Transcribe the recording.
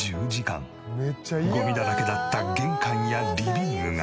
ゴミだらけだった玄関やリビングが。